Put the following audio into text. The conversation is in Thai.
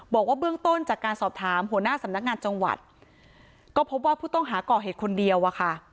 บอกว่าเบื้องต้นจากการสอบถามหัวหน้าสำนักงานจังหวัดก็พบว่าผู้ต้องหาก่อเหตุคนเดียวอะค่ะ